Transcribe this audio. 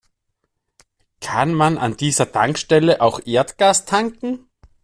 Kann man an dieser Tankstelle auch Erdgas tanken?